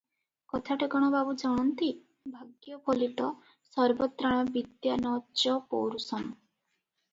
କଥାଟା କଣ ବାବୁ ଜଣନ୍ତି, "ଭାଗ୍ୟଫଳତି ସର୍ବତ୍ରାଣ ବିଦ୍ୟା ନ ଚ ପୌରୁଷଂ ।